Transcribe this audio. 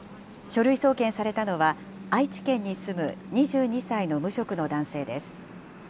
書類送検されたのは、愛知県に住む２２歳の無職の男性です。